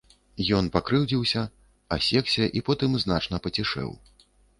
Ён пакрыўдзіўся, асекся і потым значна пацішэў.